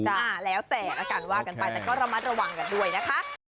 อ่าแล้วแต่ละกันว่ากันไปแต่ก็ระมัดระวังกันด้วยนะคะ